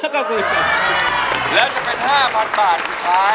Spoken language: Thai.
เขาพูดเป็นไกลมากเลยแล้วจะเป็น๕๐๐๐บาทสุดท้าย